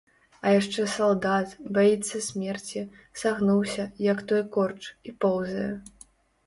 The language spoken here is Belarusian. А яшчэ салдат, баіцца смерці, сагнуўся, як той корч, і поўзае.